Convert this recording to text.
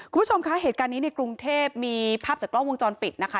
คุณผู้ชมคะเหตุการณ์นี้ในกรุงเทพมีภาพจากกล้องวงจรปิดนะคะ